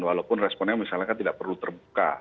walaupun responnya misalnya kan tidak perlu terbuka